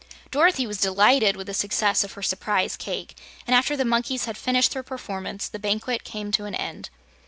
Dorothy was delighted with the success of her "Surprise Cake," and after the monkeys had finished their performance, the banquet came to an end.